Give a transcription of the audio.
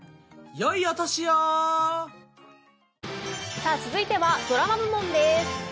さあ続いてはドラマ部門です。